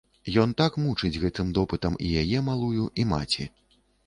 Ён так мучыць гэтым допытам і яе, малую, і маці.